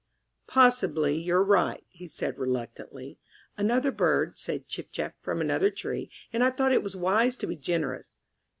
"Possibly you're right," he said reluctantly. Another bird said "Chiff chaff" from another tree and I thought it wise to be generous.